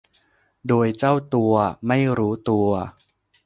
โดยเจ้าตัวไม่รู้ตัว